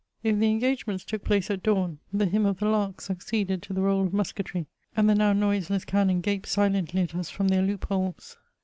'' If the engagements took place at dawn, the hymn of the lark succeeded to the roll of musketry, and the now noiseless cannon gaped silently at us from their loop holes.